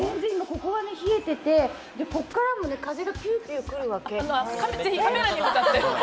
ここが冷えててここからも風がぴゅーぴゅーくるわけ。